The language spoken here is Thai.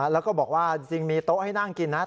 แล้วก็บอกว่าจริงมีโต๊ะให้นั่งกินนะ